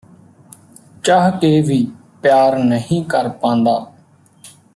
ਚਾਹਕੇ ਵੀ ਪਿਆਰ ਨਹੀਂ ਕਰ ਪਾਂਦਾ